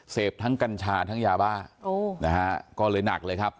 เสพทั้งกัญชาทั้งยาบ้านะฮะก็เลยหนักเลยครับ